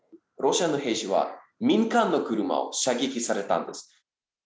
ロシアの兵士は、民間の車を射撃されたんです。